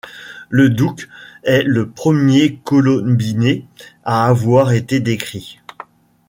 Le douc est le premier colobiné à avoir été décrit.